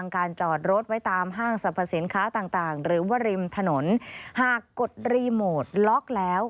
กดรีโมทล็อกแล้ว